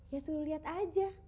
ya dulu lihat aja